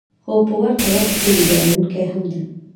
خو په ورته وخت کې ویجاړونکې هم ده.